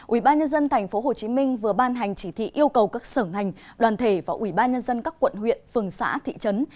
ubnd tp hcm vừa ban hành chỉ thị yêu cầu các sở ngành đoàn thể và ubnd các quận huyện phường xã thị trấn